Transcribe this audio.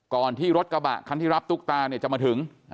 ก่อนที่รถกระบะคันที่รับตุ๊กตาจะมาถึง